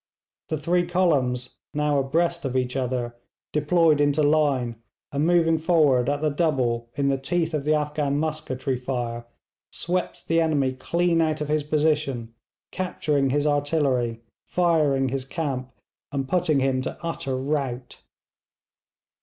The three columns, now abreast of each other, deployed into line, and moving forward at the double in the teeth of the Afghan musketry fire, swept the enemy clean out of his position, capturing his artillery, firing his camp, and putting him to utter rout.